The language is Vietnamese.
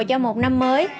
cho một năm mới